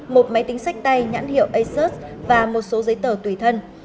một máy tính sách tay nhãn hiệu asus và một số giấy tờ tùy thân